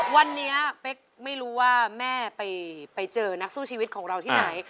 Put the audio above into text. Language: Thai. วันนี้เป๊กไม่รู้ว่าแม่ไปเจอนักสู้ชีวิตของเราที่ไหน